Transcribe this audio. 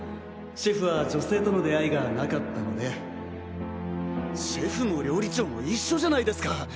シェフは女性との出会いがなかったのでシェフも料理長も一緒じゃないですか！